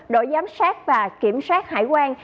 đội giám sát và kiểm soát hải quan